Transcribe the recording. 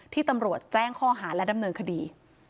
ตำรวจแจ้งข้อหาและดำเนินคดี